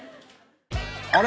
あれ？